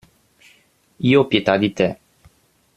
Io ho pietà di te.